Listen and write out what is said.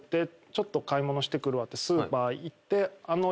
ちょっと買い物してくるわってスーパー行って。